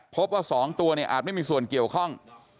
พบว่า๒ตัวเนี่ยอาจไม่มีส่วนเกี่ยวข้อง